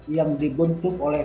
yang dibentuk oleh